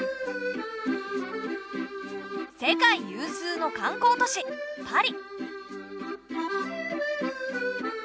世界有数の観光都市パリ。